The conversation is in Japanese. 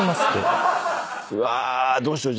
うわどうしよう。